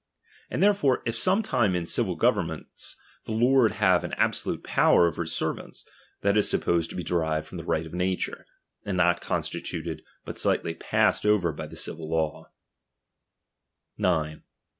And therefore, if sometime in civil governments the lord have au absolute power over his servants, that is supposed to be derived from the right of nature, and not constituted, but slightly passed over by the civil law, Bj Bbui 9.